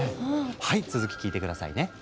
はい続き聞いて下さいね。